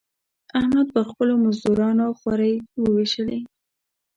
احمد پر خپلو مزدورانو خورۍ واېشولې.